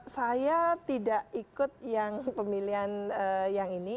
saya tidak ikut yang pemilihan yang ini